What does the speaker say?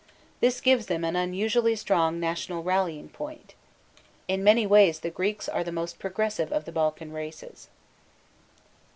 This gives them an unusually strong national rallying point. In many ways the Greeks are the most progressive of the Balkan races.